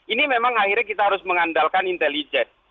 ini memang akhirnya kita harus mengandalkan intelijen